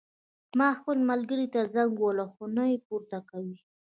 ما خپل ملګري ته زنګ ووهلو خو نه یې پورته کوی